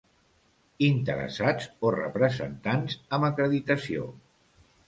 Interessats o representants amb acreditació.